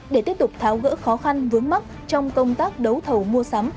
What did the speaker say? để tiếp tục tháo gỡ khó khăn vướng mắt trong công tác đấu thầu mua sắm